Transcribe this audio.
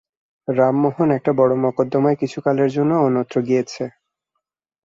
রামলোচন একটা বড়ো মকদ্দমায় কিছুকালের জন্য অন্যত্র গিয়াছে।